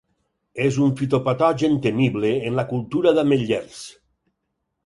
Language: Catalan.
És un fitopatogen temible en la cultura d'ametllers.